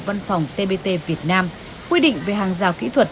văn phòng tbt việt nam quy định về hàng rào kỹ thuật